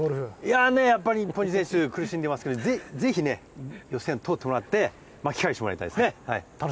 やっぱり金谷選手苦しんでいますがぜひ予選通ってもらって巻き返してもらいたいです。